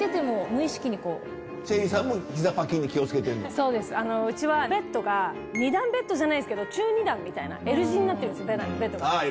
そうですうちはベッドが２段ベッドじゃないですけど中二段みたいなＬ字になってるんですベッドが。